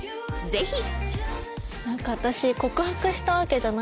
ぜひ！